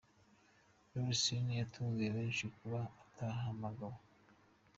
Leroy Sane yatunguye benshi kuba atahamagawe.